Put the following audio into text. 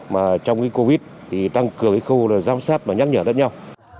mà trong covid thì tăng cường khu giám sát và nhắc nhở lẫn nhau